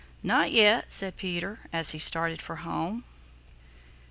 "Not yet," said Peter, as he started for home.